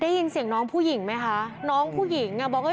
ได้ยินเสียงน้องผู้หญิงไหมคะน้องผู้หญิงอ่ะบอกว่า